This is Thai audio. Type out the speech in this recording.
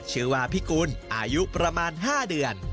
ชื่อว่าพิกุลอายุประมาณ๕เดือน